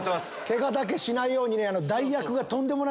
ケガだけしないようにね。